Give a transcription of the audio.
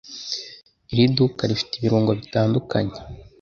Iri duka rifite ibirungo bitandukanye.